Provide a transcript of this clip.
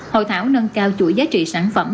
hội thảo nâng cao chuỗi giá trị sản phẩm